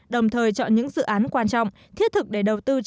đồng thời chọn những dự án quan trọng thiết thực để đầu tư